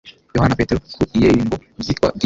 yohana na petero ku iermbo ry'itwa bwiza